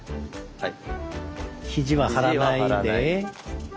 はい。